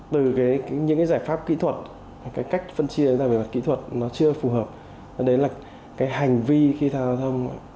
từ những giải pháp kỹ thuật cách phân chia về kỹ thuật chưa phù hợp đến hành vi khi giao thông